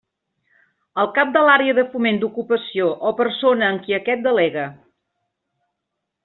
El cap de l'Àrea de Foment d'Ocupació o persona en qui aquest delegue.